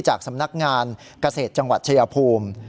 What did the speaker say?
จากสำนักงานเกษตรจังหวัดชายภูมิ